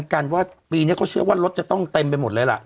กันว่าปีนี้เขาเชื่อว่ารถจะต้องเต็มไปหมดเลยล่ะ